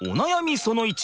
その１。